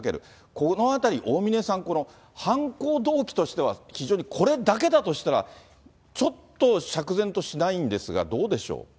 このあたり、大峯さん、この犯行動機としては、非常にこれだけだとしたら、ちょっと釈然としないんですが、どうでしょう。